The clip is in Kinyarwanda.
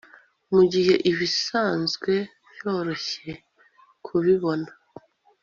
mugihe ibisanzwe byoroshye kubibona